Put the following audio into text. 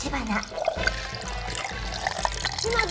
島津！